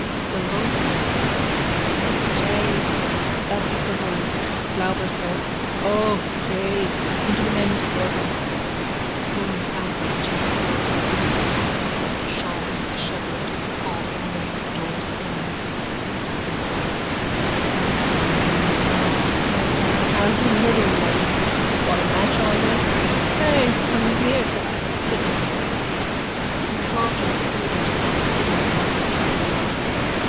THE LOITERERS: Jays, that's a good one. Glauber salts. O jays, into the men's porter. (Bloom passes. Cheap whores, singly, coupled, shawled, dishevelled, call from lanes, doors, corners.) THE WHORES: Are you going far, queer fellow? How's your middle leg? Got a match on you? Eh, come here till I stiffen it for you. _(He plodges through their sump towards the lighted street beyond.